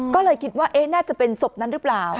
ก็เลยคิดว่าน่าจะเป็นศพนั้นหรือเปล่า